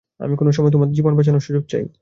আমি কোনো সময় তোমার জীবন বাঁচানোর সুযোগ চাই।